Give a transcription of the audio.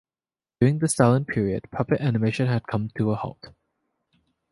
During the Stalin period, puppet animation had come to a halt.